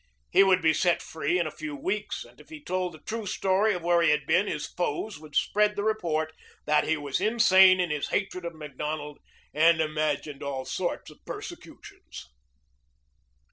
He would be set free in a few weeks, and if he told the true story of where he had been his foes would spread the report that he was insane in his hatred of Macdonald and imagined all sorts of persecutions.